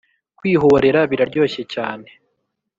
kwihorera biraryoshye cyane